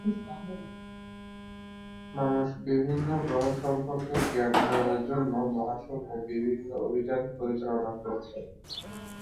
মানুষ বিভিন্ন গ্রহ সম্পর্কে জ্ঞান আহরণের জন্য মহাশুন্যে বিভিন্ন অভিযান পরিচালনা করছে।